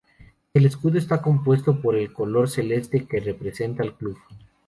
El escudo está compuesto por el color celeste que representa al club.